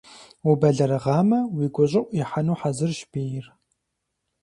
Убэлэрыгъамэ, уи гущӀыӀу ихьэну хьэзырщ бийр.